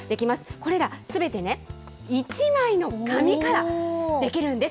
これらすべてね、１枚の紙から出来るんです。